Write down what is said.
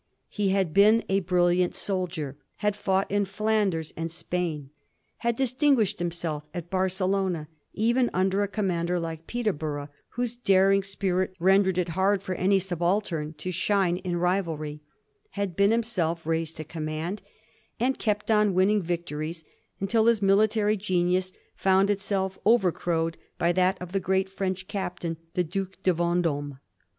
He had been a brilliant soldier ; had fought in Flanders and Spain ; had distinguished himself at Barcelona, even under a commander like Peterborough, whose daring spirit rendered it hard for any subaltern to shine in rivaliy; had been himself raised to command, and kept on winning victories until his military genius found itself overcrowed by that of the great French captain, the Duke de Vend6me.